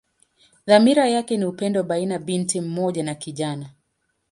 Dhamira yake ni upendo baina binti mmoja na kijana.